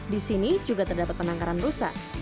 di sini juga terdapat penangkaran rusak